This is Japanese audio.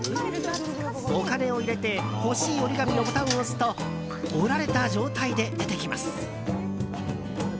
お金を入れて欲しい折り紙のボタンを押すと折られた状態で出てきます。